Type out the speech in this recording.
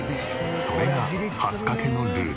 それが蓮香家のルール。